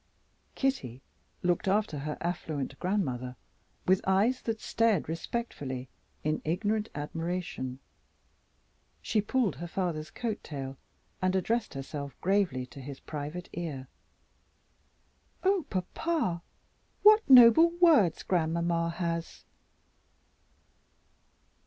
Kitty looked after her affluent grandmother with eyes that stared respectfully in ignorant admiration. She pulled her father's coat tail, and addressed herself gravely to his private ear. "Oh, papa, what noble words grandmamma has!"